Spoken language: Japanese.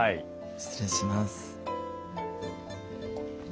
失礼します。